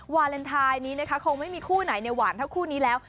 วาเลนไทยนี้นะคะคงไม่มีคู่ไหนหวานเท่าคู่นี้แล้ว